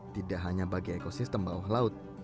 tidak hanya bagi ekosistem bawah laut